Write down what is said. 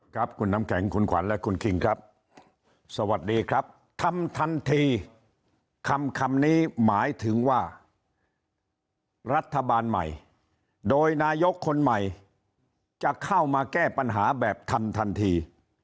ครับคุณน้ำแข็งคุณขวัญและคุณคิงครับสวัสดีครับทำทันทีคำคำนี้หมายถึงว่ารัฐบาลใหม่โดยนายกคนใหม่จะเข้ามาแก้ปัญหาแบบทันทันที